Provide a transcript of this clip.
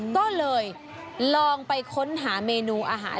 ก็เลยลองไปค้นหาเมนูอาหาร